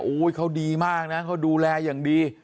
เขาดีมากนะเขาดูแลอย่างดี